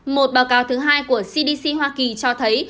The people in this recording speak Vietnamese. một báo cáo thứ hai của cdc hoa kỳ cho thấy